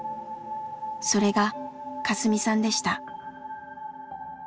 それがカスミさんでした。